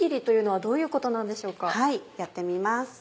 はいやってみます。